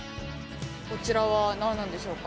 こちらは何でしょうか？